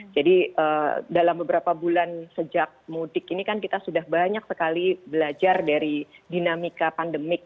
jadi dalam beberapa bulan sejak mudik ini kan kita sudah banyak sekali belajar dari dinamika pandemik